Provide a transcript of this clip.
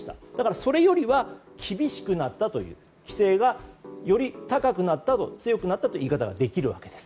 それよりは厳しくなったという規制がより強くなったという言い方ができるわけです。